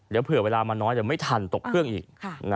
เดี๋ยวเผื่อเวลามาน้อยเดี๋ยวไม่ทันตกเครื่องอีก